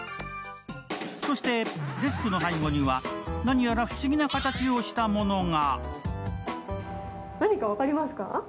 そしてデスクの背後には何やら不思議な形をしたものが。